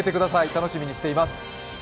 楽しみにしています。